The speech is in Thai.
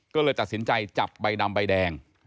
ก็เลยตัดสินใจจับใบดำใบแดง